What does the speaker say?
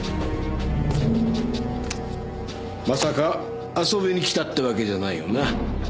まさか遊びに来たってわけじゃないよな？